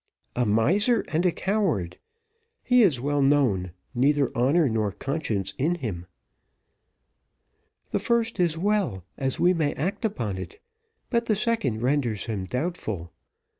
"A miser, and a coward. He is well known neither honour nor conscience in him." "The first is well, as we may act upon it, but the second renders him doubtful.